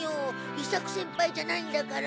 伊作先輩じゃないんだから。